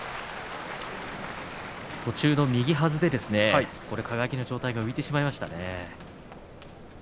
途中の右はずで輝の上体が浮いてしまいましたね。